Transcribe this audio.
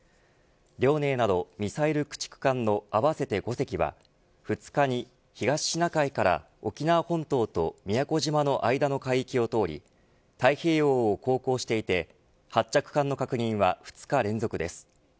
遼寧などミサイル駆逐艦の合わせて５隻は２日に、東シナ海から沖縄本島と宮古島の間の海域を通り太平洋を航行していて発着艦の確認は２日連続です。